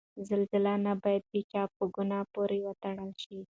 زلزله نه باید د چا په ګناه پورې وتړل شي.